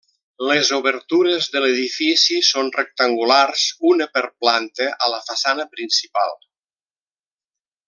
Les obertures de l'edifici són rectangulars, una per planta a la façana principal.